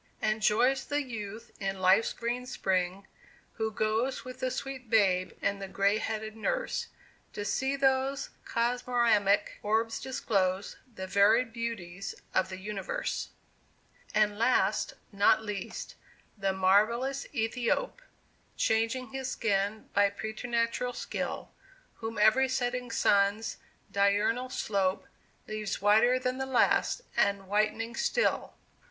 And joys the youth in life's green spring, who goes With the sweet babe and the gray headed nurse, To see those Cosmoramic orbs disclose The varied beauties of the universe. And last, not least, the marvellous Ethiope, Changing his skin by preternatural skill, Whom every setting sun's diurnal slope Leaves whiter than the last, and whitening still.